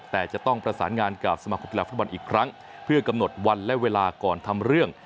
แต่จะต้องประสานงานกับสมาคมกีฬาฟุตบอลอีกครั้งเพื่อกำหนดวันและเวลาก่อนทำเรื่อง